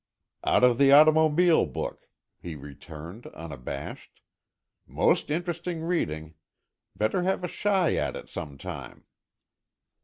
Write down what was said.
"Out of the Automobile Book," he returned, unabashed. "Most interesting reading. Better have a shy at it some time."